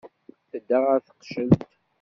Tedda ɣer teqcelt.